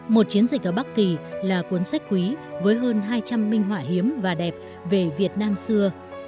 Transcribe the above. một chiến dịch ở bắc kỳ là cuốn sách quý với hơn hai trăm linh minh họa hiếm và đẹp về việt nam xưa